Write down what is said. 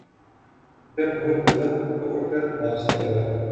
جب ڈھول بجا تو اٹھ کر ناچنے لگا